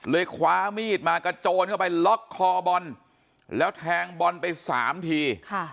คว้ามีดมากระโจนเข้าไปล็อกคอบอลแล้วแทงบอลไป๓ที